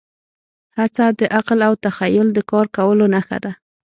هڅه د عقل او تخیل د کار کولو نښه ده.